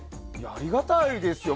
ありがたいですよ。